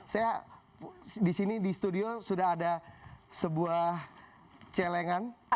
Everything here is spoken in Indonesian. saya di sini di studio sudah ada sebuah celengan